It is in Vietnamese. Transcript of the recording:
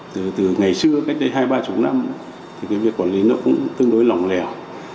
từ ngày xưa cách đây hai ba chục năm việc quản lý nó cũng tương đối lỏng lẻo